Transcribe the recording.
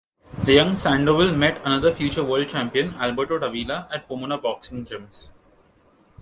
The young Sandoval met another future world champion, Alberto Davila, at Pomona boxing gyms.